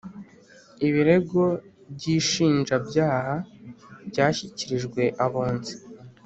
Ibirego by ishinjabyaha byashyikirijwe abunzi